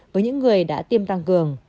với những người đã tiêm tăng cường